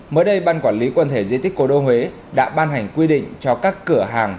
mới đây ban quản lý quần thể di tích cổ đô huế đã ban hành quy định cho các cửa hàng